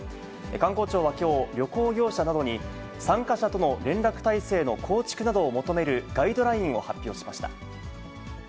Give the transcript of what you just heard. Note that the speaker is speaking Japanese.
観光庁はきょう、旅行業者などに、参加者との連絡体制の構築などを求めるガイドラインを発表しました。